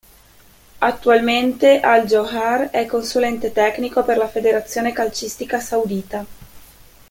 Attualmente Al-Johar è consulente tecnico per la federazione calcistica saudita.